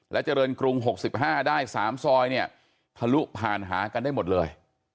เจริญกรุง๖๕ได้๓ซอยเนี่ยทะลุผ่านหากันได้หมดเลย